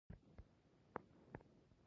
زه ګډېدم په وادۀ کې